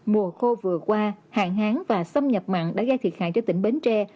mùa khô vừa qua hạn hán và xâm nhập mặn đã gây thiệt hại cho tỉnh bến tre